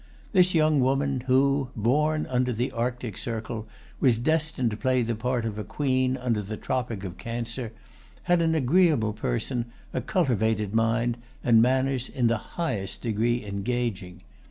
This young woman who, born under the Arctic circle, was destined to play the part of a Queen under the tropic of Cancer, had an agreeable person, a cultivated mind, and manners in the highest degree engaging.